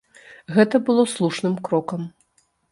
Гэта было слушным крокам.